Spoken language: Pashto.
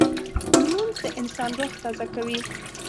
لمونځ د انسان روح تازه کوي